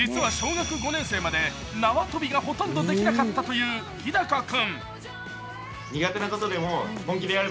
実は小学５年生まで縄跳びがほとんどできなかったという日高君。